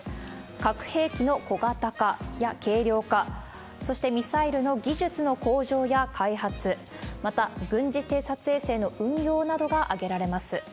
核兵器の小型化や軽量化、そしてミサイルの技術の向上や開発、また、軍事偵察衛星の運用などが挙げられます。